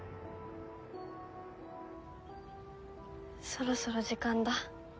そろそろ時間だ。